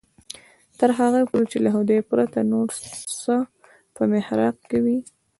تر هغې پورې چې له خدای پرته نور څه په محراق کې وي.